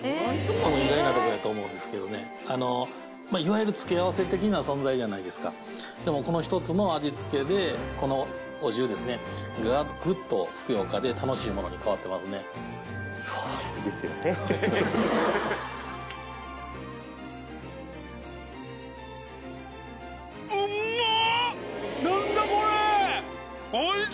多分意外なとこやと思うんですけどねいわゆる付け合わせ的な存在じゃないですかでもこの１つの味付けでこのお重ですねがグッとふくよかで楽しいものに変わってますねえっ？